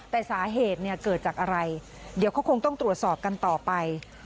แต่สาเหตุเนี่ยเกิดจากอะไรเดี๋ยวเขาคงต้องตรวจสอบกันต่อไป